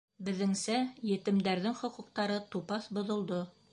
Беҙҙеңсә, етемдәрҙең хоҡуҡтары тупаҫ боҙолдо.